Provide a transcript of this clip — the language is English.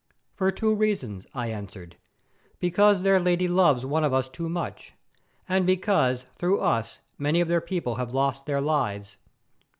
"For two reasons," I answered. "Because their Lady loves one of us too much, and because through us many of their people have lost their lives.